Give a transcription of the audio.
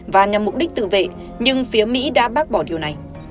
và nhằm mục đích tự vệ nhưng phía mỹ đã bác bỏ điều này